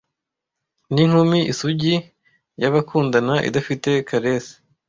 ninkumi isugi yabakundana idafite caresses